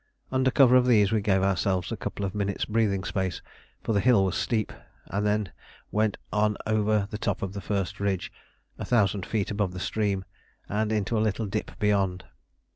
Under cover of these we gave ourselves a couple of minutes' breathing space, for the hill was steep, and then went on over the top of the first ridge, a thousand feet above the stream, and into a little dip beyond.